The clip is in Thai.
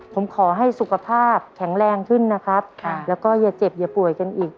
ผมขอให้สุขภาพแข็งแรงขึ้นนะครับแล้วก็อย่าเจ็บอย่าป่วยกันอีก